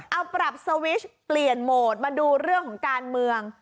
เอาปรับสวิชเปลี่ยนโหมดมาดูเรื่องของการเมือง